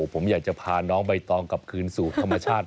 ผมอยากจะพาน้องใบตองกลับคืนสู่ธรรมชาติ